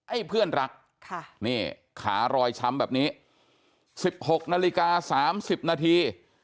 ไอ้เพื่อนรักค่ะนี่ขารอยช้ำแบบนี้สิบหกนาฬิกาสามสิบนาที